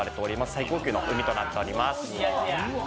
最高級のうにとなっております。